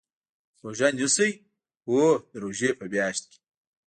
روژه نیسئ؟ هو، د روژی په میاشت کې